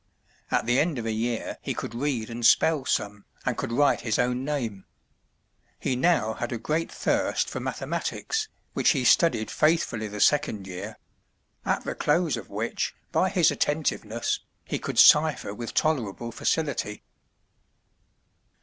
At the end of a year he could read and spell some, and could write his own name. He now had a great thirst for mathematics, which he studied faithfully the second year; at the close of which, by his attentiveness, he could cipher with tolerable facility.